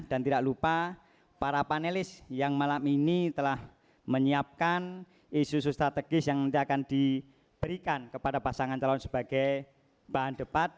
dan tidak lupa para panelis yang malam ini telah menyiapkan isu isu strategis yang nanti akan diberikan kepada pasangan calon sebagai bahan depat